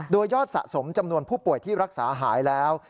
โดยยอดสะสมจำนวนผู้ป่วยที่รักษาหายแล้ว